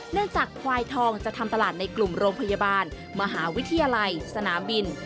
จากควายทองจะทำตลาดในกลุ่มโรงพยาบาลมหาวิทยาลัยสนามบิน